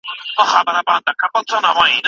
که نجونې ښوونځي ته لاړې شي نو بې سوادي به نه وي.